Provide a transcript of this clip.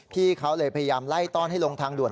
พี่เขาเลยพยายามไล่ต้อนให้ลงทางด่วน